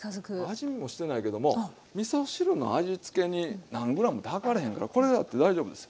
味見もしてないけどもみそ汁の味つけに何ｇって量れへんからこれだって大丈夫ですよ。